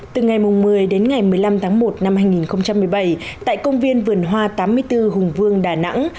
từ ngày một mươi đến ngày một mươi năm tháng một năm hai nghìn một mươi bảy tại công viên vườn hoa tám mươi bốn hùng vương đà nẵng